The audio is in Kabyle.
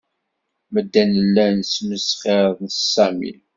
Medden llan smesxiren s Sami.